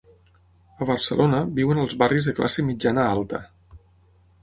A Barcelona, viuen als barris de classe mitjana-alta.